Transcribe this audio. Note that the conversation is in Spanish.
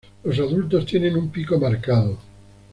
Los adultos tienen un pico marcado.